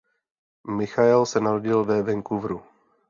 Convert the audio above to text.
Michael se narodil ve Vancouveru.